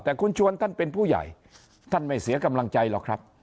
แต่คุณชวนท่านเป็นผู้ใหญ่ท่านไม่เสียกำลังใจหรอกครับ